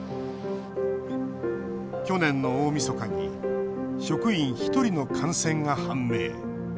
去年の大みそかに職員１人の感染が判明。